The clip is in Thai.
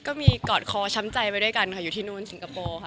ค่ะก็มีกอดคอชัมใจไปด้วยกันขยุดที่นู่นสิงคโปร์ค่ะ